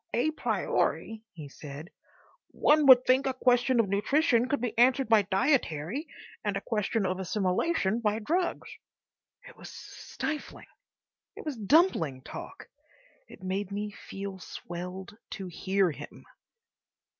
"A priori," he said, "one would think a question of nutrition could be answered by dietary and a question of assimilation by drugs." It was stifling. It was dumpling talk. It made me feel swelled to hear him.